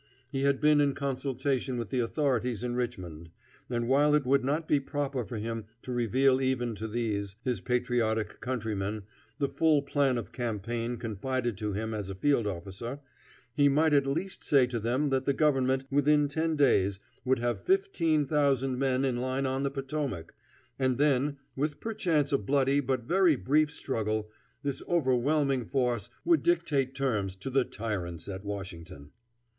He had been in consultation with the authorities in Richmond; and while it would not be proper for him to reveal even to these, his patriotic countrymen, the full plan of campaign confided to him as a field officer, he might at least say to them that the government, within ten days, would have fifteen thousand men in line on the Potomac, and then, with perchance a bloody but very brief struggle, this overwhelming force would dictate terms to the tyrants at Washington.